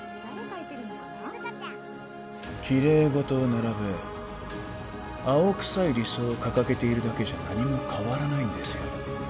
涼香ちゃんきれい事を並べ青臭い理想を掲げているだけじゃ何も変わらないんですよ